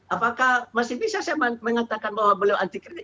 apakah masih bisa saya mengatakan bahwa beliau anti kritik